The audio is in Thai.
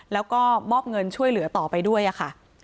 แล้วก็มอบเงินช่วยเหลือต่อไปด้วยค่ะ